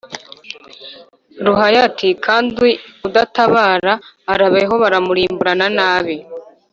ruhaya ati: "Kandi udatabara arabeho baramurimburana n’ abe